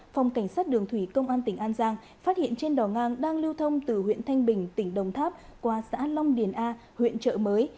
phòng cảnh sát đường thủy công an tỉnh an giang phát hiện trên đò ngang đang lưu thông từ huyện thanh bình tỉnh đồng tháp qua xã long điền a huyện trợ mới